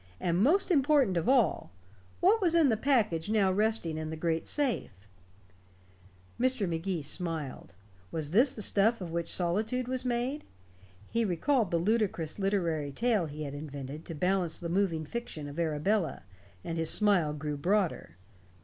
and most important of all, what was in the package now resting in the great safe? Mr. Magee smiled. Was this the stuff of which solitude was made? He recalled the ludicrous literary tale he had invented to balance the moving fiction of Arabella, and his smile grew broader.